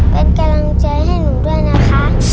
เป็นกำลังใจให้หนูด้วยนะคะ